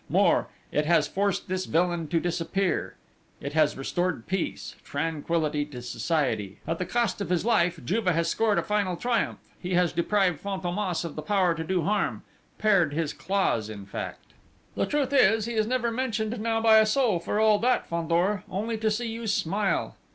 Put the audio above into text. More, it has forced this villain to disappear; it has restored peace, tranquillity to society.... At the cost of his life, Juve has scored a final triumph, he has deprived Fantômas of the power to do harm pared his claws in fact." "The truth is he is never mentioned now by a soul ... for all that, Fandor, only to see you smile!